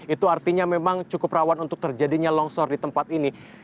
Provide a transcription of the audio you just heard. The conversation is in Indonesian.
itu artinya memang cukup rawan untuk terjadinya longsor di tempat ini